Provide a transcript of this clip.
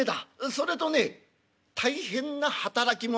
それとね大変な働き者。